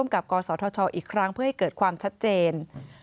กับกศธชอีกครั้งเพื่อให้เกิดความชัดเจน